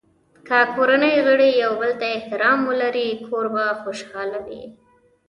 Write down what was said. که کورنۍ غړي یو بل ته احترام ولري، کور به خوشحال وي.